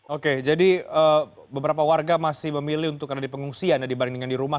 oke jadi beberapa warga masih memilih untuk ada di pengungsian dibandingkan di rumah